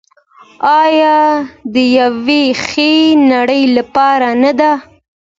آیا د یوې ښې نړۍ لپاره نه ده؟